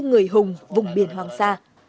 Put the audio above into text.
người hùng vùng biển hoàng sa